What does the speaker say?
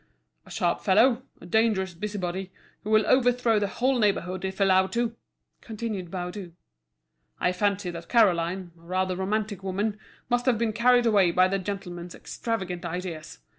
"A sharp fellow, a dangerous busybody, who will overthrow the whole neighbourhood if allowed to!" continued Baudu. "I fancy that Caroline, a rather romantic woman, must have been carried away by the gentleman's extravagant ideas.